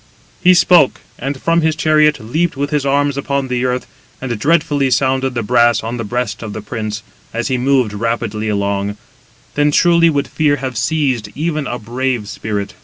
He spoke, and from his chariot leaped with his arms upon the earth, and dreadfully sounded the brass on the breast of the prince, as he moved rapidly along: then truly would fear have seized even a brave spirit.